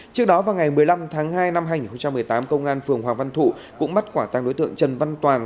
trước đó vào ngày một mươi năm tháng hai năm hai nghìn một mươi tám công an phường hòa văn thụ cũng bắt quả tăng đối tượng trần văn toàn